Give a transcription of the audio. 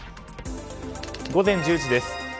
午前１０時です。